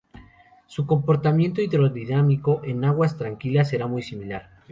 Su comportamiento hidrodinámico en aguas tranquilas será muy similar.